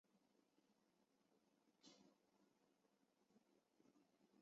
另一种则是全用鸡蛋制造。